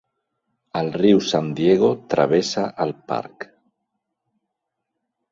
El riu San Diego travessa el parc.